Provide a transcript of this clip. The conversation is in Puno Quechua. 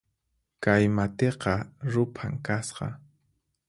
Kay matiqa ruphan kasqa